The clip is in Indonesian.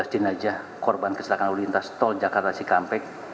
tiga belas jenazah korban kecelakaan lalu lintas tol jakarta cikampek